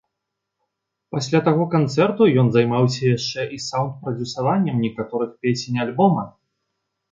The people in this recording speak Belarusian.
Пасля таго канцэрту ён займаўся яшчэ і саўндпрадзюсаваннем некаторых песень альбома.